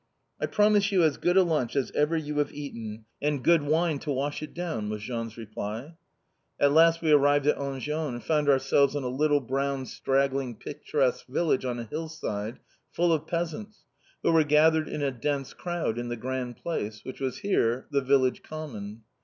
"I promise you as good a lunch as ever you have eaten, and good wine to wash it down!" was Jean's reply. At last we arrived at Enghien, and found ourselves in a little brown straggling picturesque village on a hillside, full of peasants, who were gathered in a dense crowd in the "grand place," which was here the village common.